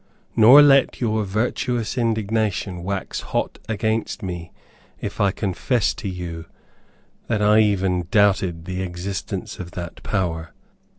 Nor let your virtuous indignation wax hot against me if I confess to you, that I even doubted the existence of that power.